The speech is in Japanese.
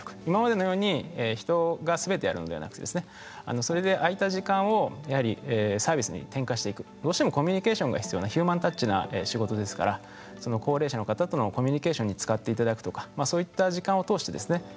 今までのように人が全てやるんではなくてそれで空いた時間をやはりサービスに転嫁していくどうしてもコミュニケーションが必要なヒューマンタッチな仕事ですからその高齢者の方とのコミュニケーションに使っていただくとかそういった時間を通してですね